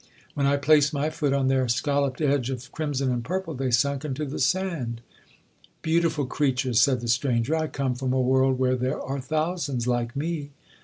When I placed my foot on their scolloped edge of crimson and purple, they sunk into the sand.'—'Beautiful creature,' said the stranger, 'I come from a world where there are thousands like me.'